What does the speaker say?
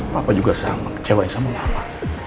papa juga sama kecewa sama mama